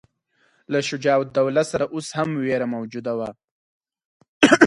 له شجاع الدوله سره اوس هم وېره موجوده وه.